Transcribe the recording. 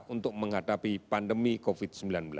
untuk menghadapi pandemi covid sembilan belas